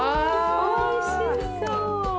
おいしそう。